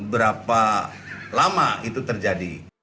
berapa lama itu terjadi